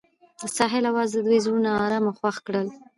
د ساحل اواز د دوی زړونه ارامه او خوښ کړل.